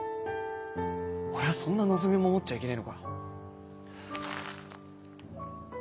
俺はそんな望みも持っちゃいけねえのか。